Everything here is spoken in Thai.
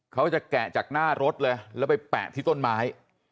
แกะจากหน้ารถเลยแล้วไปแปะที่ต้นไม้